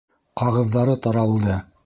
Ҡағыҙҙары таралды!